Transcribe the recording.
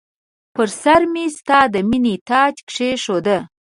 پر سرمې ستا د مییني تاج کښېښود